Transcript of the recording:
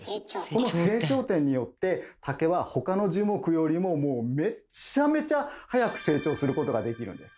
この成長点によって竹は他の樹木よりももうめっちゃめちゃ早く成長することができるんです。